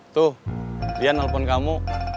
tuh dia nelfon kamu